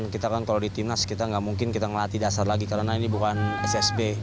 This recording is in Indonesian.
kita kan kalau di timnas kita nggak mungkin kita ngelatih dasar lagi karena ini bukan ssb